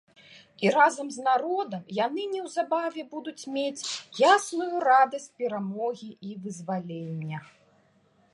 І разам з народам яны неўзабаве будуць мець ясную радасць перамогі і вызвалення.